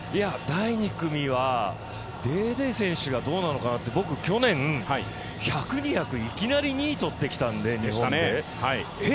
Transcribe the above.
第２組はデーデー選手がどうなのかな、僕、去年、１００、２００いきなりとってきたのでえ！？